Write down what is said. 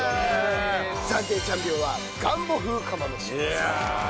暫定チャンピオンはガンボ風釜飯です。